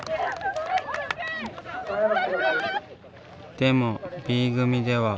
でもＢ組では。